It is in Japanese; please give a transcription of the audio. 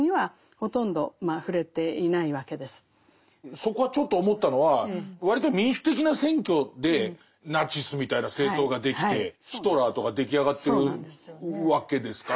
そこはちょっと思ったのは割と民主的な選挙でナチスみたいな政党ができてヒトラーとか出来上がってるわけですから。